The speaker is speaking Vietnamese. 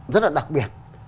rất là đặc biệt